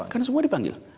kan semua dipanggil